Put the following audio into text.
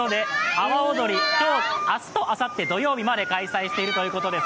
阿波おどり、今日、明日とあさってまで、土曜日まで開催しているということです。